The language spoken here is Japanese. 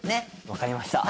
分かりました。